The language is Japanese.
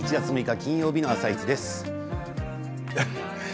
金曜日の「あさイチ」です。